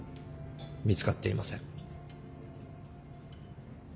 見つかっていません。